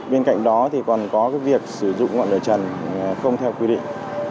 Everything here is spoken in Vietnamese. bên cạnh đó thì còn có việc sử dụng ngọn lửa trần không theo quy định